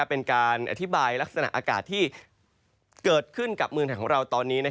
เป็นการอธิบายลักษณะอากาศที่เกิดขึ้นกับเมืองไทยของเราตอนนี้